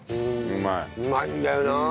うまいんだよなあ。